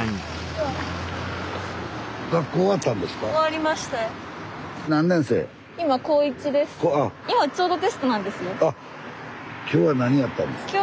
あっ今日は何やったんですか？